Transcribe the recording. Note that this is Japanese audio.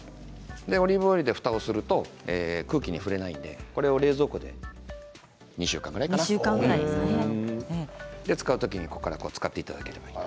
オリーブオイルでふたをすると空気に触れないのでこれを冷蔵庫で２週間ぐらいかな使うときに、ここから使っていただければ。